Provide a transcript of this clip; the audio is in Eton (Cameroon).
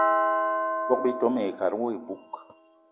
Bogb-ito mayi wo kat iboug.